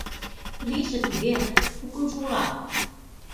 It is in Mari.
Лийже туге — тукымжо улам...